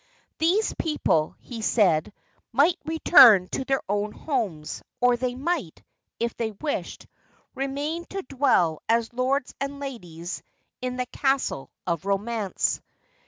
These people, he said, might return to their own homes, or they might, if they wished, remain to dwell as Lords and Ladies in the Castle of Romance.